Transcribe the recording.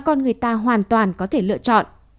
con người ta hoàn toàn có thể lựa chọn